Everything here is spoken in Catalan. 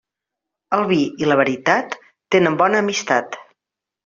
El vi i la veritat tenen bona amistat.